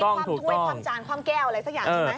ความถ้วยความจานความแก้วอะไรสักอย่างใช่ไหม